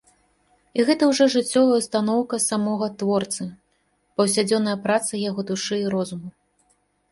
І гэта ўжо жыццёвая ўстаноўка самога творцы, паўсядзённая праца яго душы і розуму.